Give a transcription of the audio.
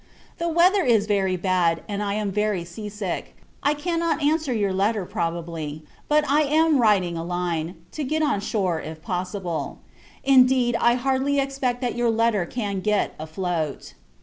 The weather is very bad, and I am very sea sick. I cannot answer your letter, probably; but I am writing a line, to get on shore, if possible: indeed, I hardly expect that your letter can get afloat.